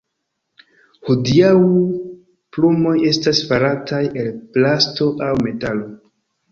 Hodiaŭ, plumoj estas farataj el plasto aŭ metalo.